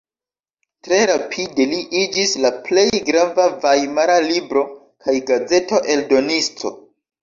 Tre rapide li iĝis la plej grava vajmara libro- kaj gazeto-eldonisto.